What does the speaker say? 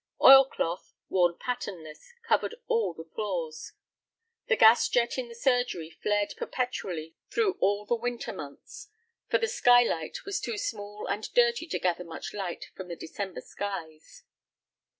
Oil cloth, worn patternless, covered all the floors. The gas jet in the surgery flared perpetually through all the winter months, for the sky light was too small and dirty to gather much light from the December skies.